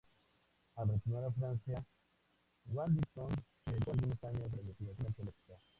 Al retornar a Francia, Waddington se dedicó algunos años a la investigación arqueológica.